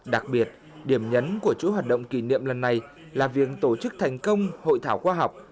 đặc biệt điểm nhấn của chủ hoạt động kỷ niệm lần này là việc tổ chức thành công hội thảo khoa học